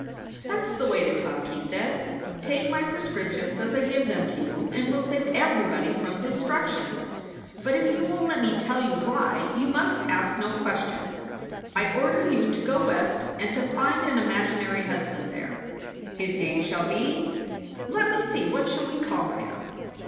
"That s the way to talk," he said. "Take my prescrip tions as I give them to you, and we ll save everybody from destruction. But if you won t let me tell you why, you must ask no questions. I order you to go West and to find an imaginary husband there. His name shall be let me see, what shall we call him?